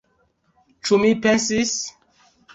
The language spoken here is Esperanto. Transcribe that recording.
Ĉu mi pensis?